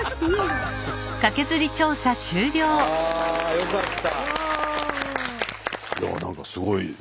よかった。